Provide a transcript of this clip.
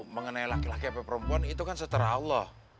mengenai laki laki apa perempuan itu kan seter allah